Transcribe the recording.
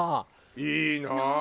いいなあ。